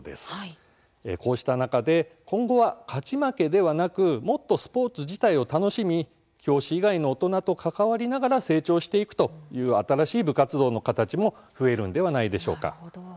こうした中で、今後は勝ち負けではなくもっとスポーツ自体を楽しみ教師以外の大人と関わりながら成長していくという新しい部活動の形も増えるのではないでしょうか。